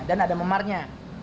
dan ada memarnya